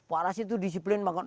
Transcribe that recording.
pak rashid itu disiplin banget